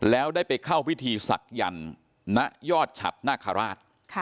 แล้วได้ไปเข้าพิธีศักดิ์ณยอดฉัดนาคาราช